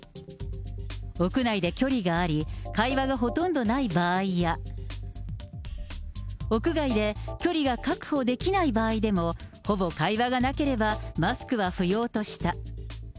屋内で距離があり、会話がほとんどない場合や、屋外で距離が確保できない場合でも、ほぼ会話がなければ、マスクは不要とした。